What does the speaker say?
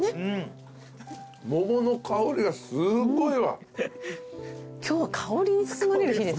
桃の香りがすごいわ。